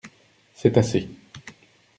C’est assez.